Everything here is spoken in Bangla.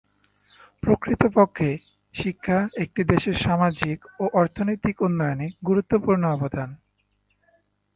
প্রকৃতপক্ষে, শিক্ষা একটি দেশের সামাজিক ও অর্থনৈতিক উন্নয়নে গুরুত্বপূর্ণ অবদান।